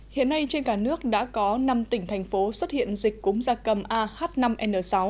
hiện nay trên cả nước đã có năm tỉnh thành phố xuất hiện dịch cúm da cầm ah năm n sáu